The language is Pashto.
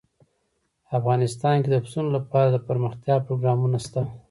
افغانستان کې د پسونو لپاره دپرمختیا پروګرامونه شته.